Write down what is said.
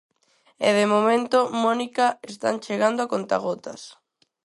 E de momento, Mónica, están chegando a contagotas...